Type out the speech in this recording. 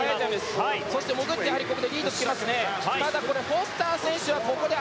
そして潜ってここもリードしていますね。